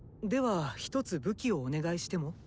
では一つ武器をお願いしても？